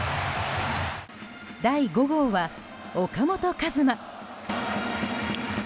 第５号は岡本和真。